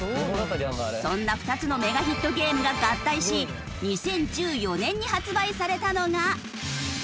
そんな２つのメガヒットゲームが合体し２０１４年に発売されたのが。